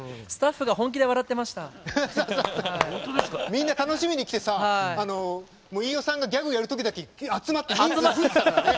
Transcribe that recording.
みんな楽しみに来てさ飯尾さんがギャグやる時だけ集まって吹いてたからね。